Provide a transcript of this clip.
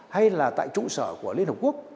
hay là tại trụ sở của liên hợp quốc